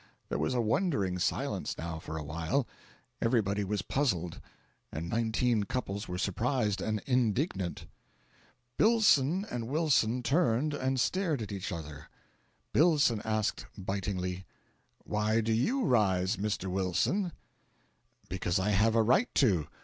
There was a wondering silence now for a while. Everybody was puzzled, and nineteen couples were surprised and indignant. Billson and Wilson turned and stared at each other. Billson asked, bitingly: "Why do YOU rise, Mr. Wilson?" "Because I have a right to.